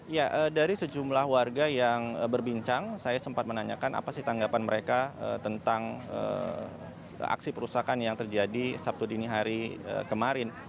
ya dari sejumlah warga yang berbincang saya sempat menanyakan apa sih tanggapan mereka tentang aksi perusahaan yang terjadi sabtu dini hari kemarin